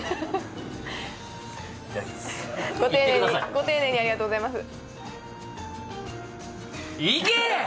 ご丁寧にありがとうございます。